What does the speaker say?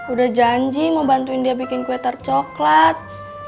udah janji mau bantuin dia bikin kue tercoklat